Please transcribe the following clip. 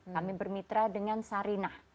kami bermitra dengan sarinah